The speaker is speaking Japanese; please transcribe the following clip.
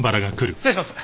失礼します。